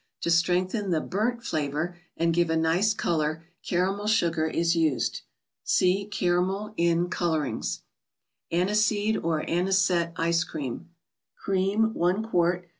To strengthen the " burnt " flavor and give a nicer color, caramel sugar is used. (See Caramel in " Colorings ".) Sluteeei) or am'gette 31ce*Creatu. Cream, i qt.